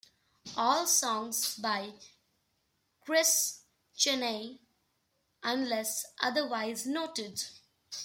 All songs by Chris Cheney unless otherwise noted.